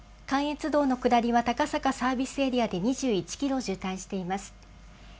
関越道の下りは高坂サービスエリアで２１キロ渋滞しています。